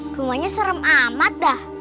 rumahnya serem amat dah